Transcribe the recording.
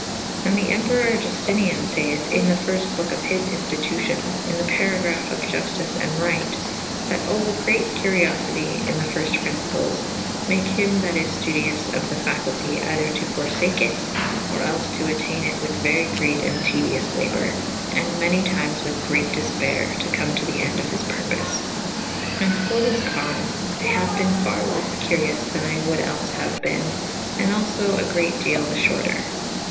And the Emperour Juftinian fayeth in the fyrfte boke of his inftitucions in the paragraph of iuftice and right/ that ouer great curiofity in the fyrf t principles / make hym that is ftudioufe of the facultie either to forlake it or els to attayne it with very great and tedyoufe labour / and many tymes with great difpayre to com to the ende of his purpofe. And for this caufe I haue bene ferre lefie curioufe then I wolde els haue ben / and alfo a great dele the fhorter.